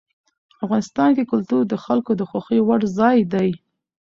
افغانستان کې کلتور د خلکو د خوښې وړ ځای دی.